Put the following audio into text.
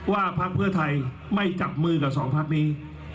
ว่าภักดิ์เพื่อไทยไม่จับมือกับ๒ภักดิ์นี้